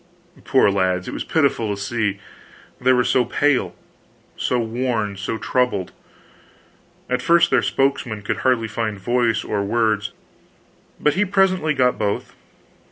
Poor lads, it was pitiful to see, they were so pale, so worn, so troubled. At first their spokesman could hardly find voice or words; but he presently got both.